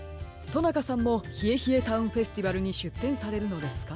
となかさんもひえひえタウンフェスティバルにしゅってんされるのですか？